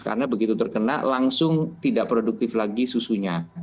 karena begitu terkena langsung tidak produktif lagi susunya